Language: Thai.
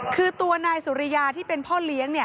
คือตัวนายสุริยาที่เป็นพ่อเลี้ยง